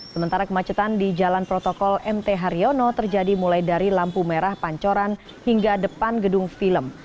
sementara kemacetan di jalan protokol mt haryono terjadi mulai dari lampu merah pancoran hingga depan gedung film